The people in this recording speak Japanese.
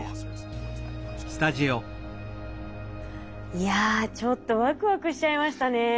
いやちょっとワクワクしちゃいましたね。